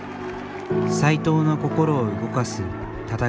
斎藤の心を動かす戦いがあった。